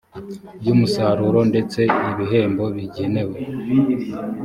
by umusaruro ndetse n ibihembo bigenewe